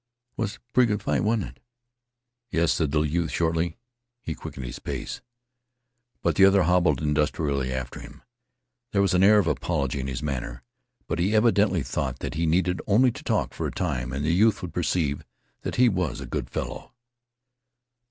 "Was pretty good fight, wa'n't it? "Yes," said the youth shortly. He quickened his pace. But the other hobbled industriously after him. There was an air of apology in his manner, but he evidently thought that he needed only to talk for a time, and the youth would perceive that he was a good fellow.